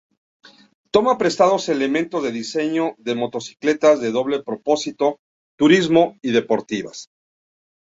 Toma prestados elementos de diseño de motocicletas de doble propósito, turismo y deportivas.